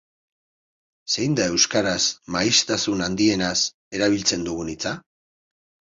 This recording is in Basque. Zein da euskaraz maiztasun handienaz erabiltzen dugun hitza?